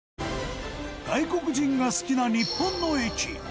外国人が好きな日本の駅２１位は